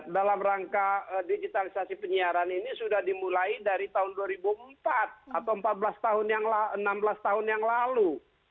dalam rangka digitalisasi penyiaran ini sudah dimulai dari tahun dua ribu empat atau enam belas tahun yang lalu